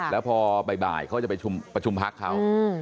แล้วพอบ่ายเขาจะไปประชุมพักเขา